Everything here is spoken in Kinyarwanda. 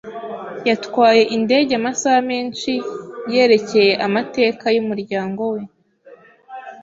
Yatwaye indege amasaha menshi yerekeye amateka yumuryango we.